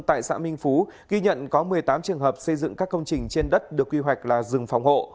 tại xã minh phú ghi nhận có một mươi tám trường hợp xây dựng các công trình trên đất được quy hoạch là rừng phòng hộ